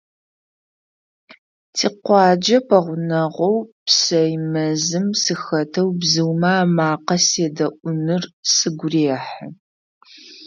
Тикъуаджэ пэгъунэгъу псэй мэзым сыхэтэу бзыумэ амакъэ седэӀуныр сыгу рехьы.